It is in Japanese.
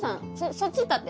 そっち立って。